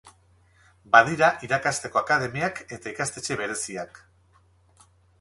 Badira irakasteko akademiak eta ikastetxe bereziak.